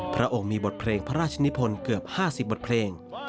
พระองค์มีบทเพลงพระราชนิพลเกือบ๕๐บทเพลง